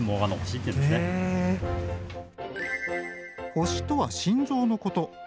ホシとは心臓のこと。